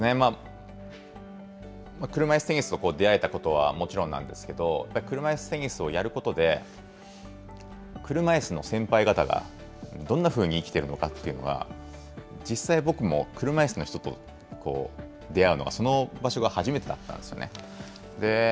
車いすテニスと出会えたことはもちろんなんですけど、車いすテニスをやることで、車いすの先輩方がどんなふうに生きてるのかっていうのは、実際、僕も車いすの人と出会うのが、その場所が初めてだったんですよね。